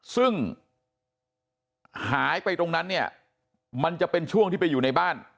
ซึ่งหายไปตรงนั้นเนี่ยมันจะเป็นช่วงที่ไปอยู่ในบ้าน